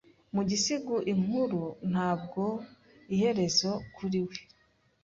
mu gisigo inkuru ntabwo iherezo kuri we